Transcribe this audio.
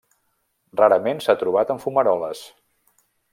Rarament s'ha trobat en fumaroles.